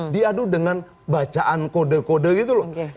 diadu dengan bacaan kode kode gitu loh